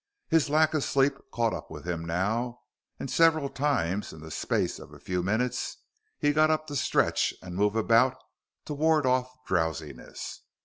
His lack of sleep caught up with him now, and several times in the space of a few minutes he got up to stretch and move about to ward off drowsiness.